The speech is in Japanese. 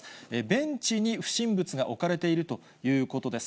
ベンチに不審物が置かれているということです。